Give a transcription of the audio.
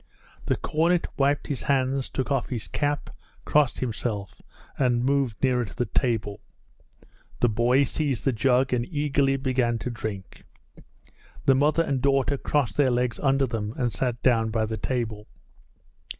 The cornet wiped his hands, took off his cap, crossed himself, and moved nearer to the table. The boy seized the jug and eagerly began to drink. The mother and daughter crossed their legs under them and sat down by the table.